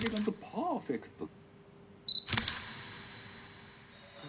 パーフェクト。